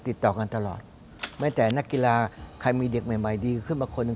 ติดต่อกันตลอดแม้แต่นักกีฬาใครมีเด็กใหม่ใหม่ดีขึ้นมาคนหนึ่ง